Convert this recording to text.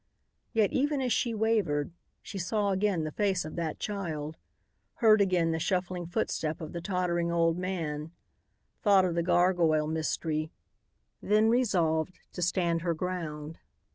Yet, even as she wavered, she saw again the face of that child, heard again the shuffling footstep of the tottering old man, thought of the gargoyle mystery; then resolved to stand her ground.